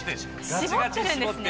絞ってるんですね。